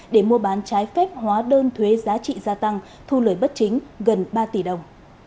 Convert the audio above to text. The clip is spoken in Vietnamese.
để mua bán trái phép hóa đơn thuế giá trị gia tăng thu lời bất chính gần ba tỷ đồng